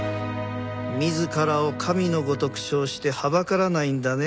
自らを神のごとく称してはばからないんだね